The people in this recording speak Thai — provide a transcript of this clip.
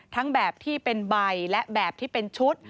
แบบที่เป็นใบและแบบที่เป็นชุด